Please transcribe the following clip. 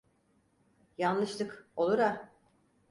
Yanlışlık, olur a…